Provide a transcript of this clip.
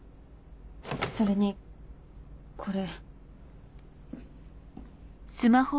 それにこれ。